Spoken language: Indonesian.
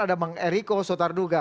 ada bang eriko sotarduga